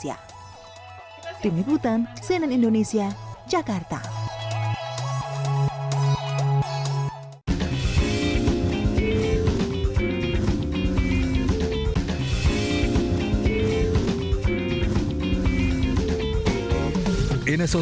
corak khas nusantara dengan desain unik teoria membuat pemakainya bangga menggunakan buatan indonesia